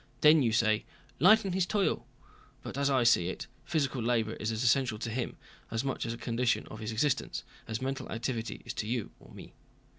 Then you say, 'lighten his toil.' But as I see it, physical labor is as essential to him, as much a condition of his existence, as mental activity is to you or me.